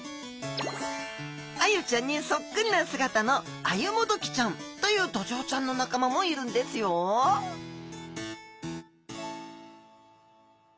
アユちゃんにそっくりな姿のアユモドキちゃんというドジョウちゃんの仲間もいるんですよはい。